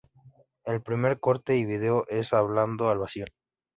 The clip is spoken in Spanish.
El primer corte y video es "Hablando al vacío".